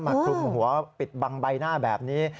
คลุมหัวปิดบังใบหน้าแบบนี้